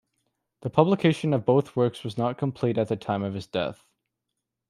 The publication of both works was not complete at the time of his death.